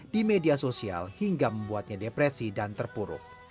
di media sosial hingga membuatnya depresi dan terpuruk